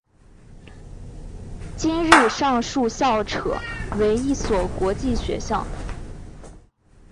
今日上述校扯为一所国际学校。